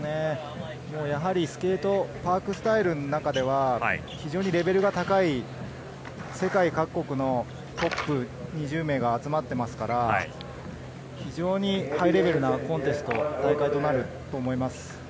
スケート・パークスタイルの中では非常にレベルが高い世界各国のトップ２０人が集まっていますから、非常にハイレベルなコンテストになると思います。